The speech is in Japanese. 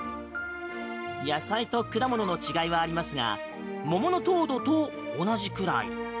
野菜と果物の違いはありますが桃の糖度と同じくらい。